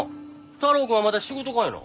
太郎くんはまた仕事かいな？